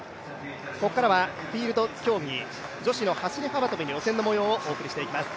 ここからはフィールド競技女子の走り幅跳び予選のもようをお送りしていきます